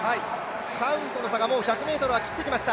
カウンとの差がもう１００ｍを切ってきました。